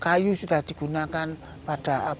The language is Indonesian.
bahan kayu sudah digunakan pada abad tujuh delapan